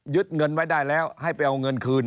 เงินไว้ได้แล้วให้ไปเอาเงินคืน